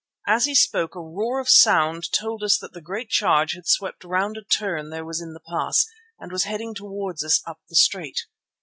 As he spoke a roar of sound told us that the great charge had swept round a turn there was in the pass and was heading towards us up the straight.